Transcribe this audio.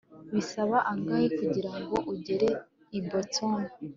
bisaba angahe kugirango ugere i boston